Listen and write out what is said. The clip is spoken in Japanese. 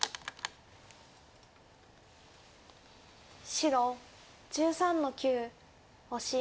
白１３の九オシ。